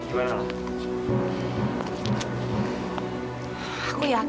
udah kan pastor saja pak